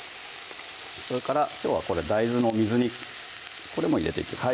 それからきょうは大豆の水煮これも入れていきます